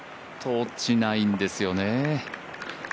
落ちないんですよね